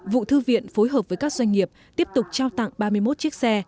vụ thư viện phối hợp với các doanh nghiệp tiếp tục trao tặng ba mươi một chiếc xe